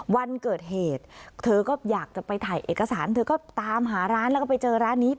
วันเกิดเหตุเธอก็อยากจะไปถ่ายเอกสารเธอก็ตามหาร้านแล้วก็ไปเจอร้านนี้